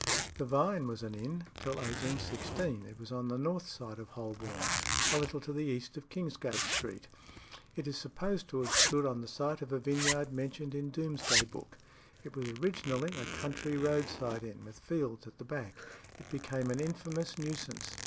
The Vine was an inn till 1816. It was on the north side of Holborn, a little to the east of Kingsgate Street. It is supposed to have stood on the site of a vineyard mentioned in Doomsday Book. It was originally a country roadside inn, with fields at the back. It became an infamous nuisance.